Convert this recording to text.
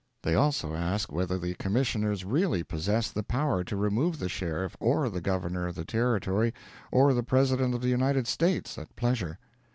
They also ask whether the Commissioners really possess the power to remove the Sheriff, or the Governor of the Territory, or the President of the United States, at pleasure.